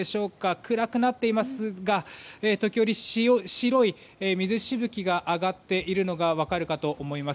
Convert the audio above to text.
暗くなっていますが時折、白い水しぶきが上がっているのが分かるかと思います。